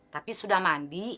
tapi sudah mandi